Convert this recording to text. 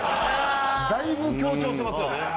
だいぶ強調してますよね。